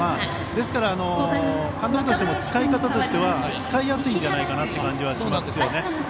ですから、監督としても使い方としては使いやすいんじゃないかなという感じはしますよね。